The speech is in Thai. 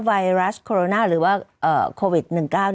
ไวรัสโคโรนาหรือว่าโควิด๑๙